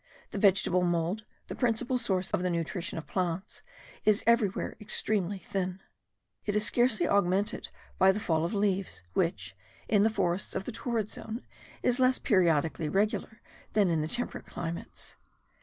The vegetable mould, the principal source of the nutrition of plants, is everywhere extremely thin. It is scarcely augmented by the fall of the leaves, which, in the forests of the torrid zone, is less periodically regular than in temperate climates.